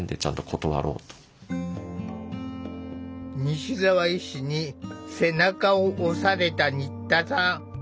西澤医師に背中を押された新田さん。